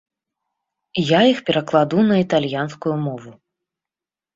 Я іх перакладу на італьянскую мову.